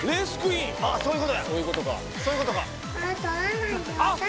そういうことや！